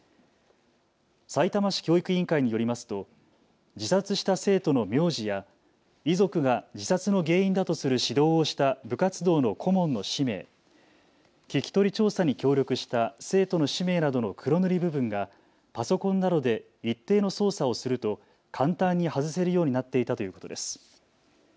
さいたま市教育委員会によりますと自殺した生徒の名字や遺族が自殺の原因だとする指導をした部活動の顧問の氏名、聞き取り調査に協力した生徒の氏名などの黒塗り部分がパソコンなどで一定の操作をすると簡単に外せるようになっていたということです。